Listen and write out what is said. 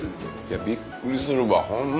びっくりするわホンマ